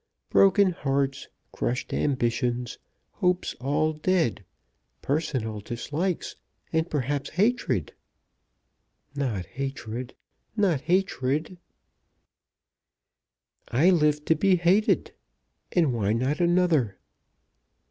Broken hearts, crushed ambitions, hopes all dead, personal dislikes, and perhaps hatred." "Not hatred; not hatred." "I lived to be hated; and why not another?"